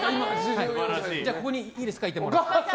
ここにいいですか、いても。